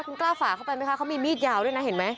คุณกล้าฝ่าเข้าไปไหมคะเขามีมีดยาวด้วยนะเห็นไหม